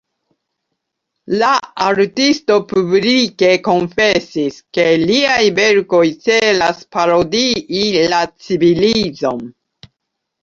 La artisto publike konfesis, ke liaj verkoj celas parodii la civilizon.